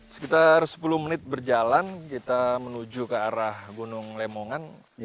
sekitar sepuluh menit berjalan kita menuju ke arah gunung lemongan